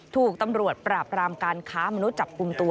ถูกตำรวจปราบรามการค้ามนุษย์จับกลุ่มตัว